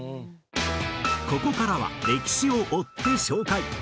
ここからは歴史を追って紹介。